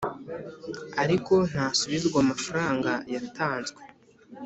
ariko ntasubizwa amafranga yatanzwe.